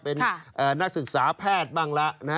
เป็นนักศึกษาแพทย์บ้างละ